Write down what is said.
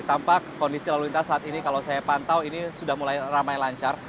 tampak kondisi lalu lintas saat ini kalau saya pantau ini sudah mulai ramai lancar